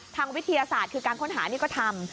วิทยาศาสตร์คือการค้นหานี่ก็ทำ